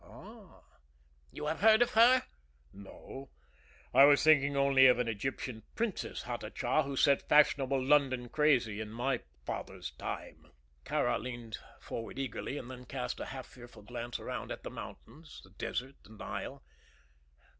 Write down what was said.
"Ah!" "You have heard of her?" "No; I was thinking only of an Egyptian Princess Hatatcha who set fashionable London crazy in my father's time." Kāra leaned forward eagerly, and then cast a half fearful glance around, at the mountains, the desert, and the Nile.